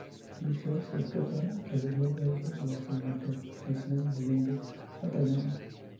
Bishop se escapa, eludiendo a ella y a sus mercenarios y huyendo a Tailandia.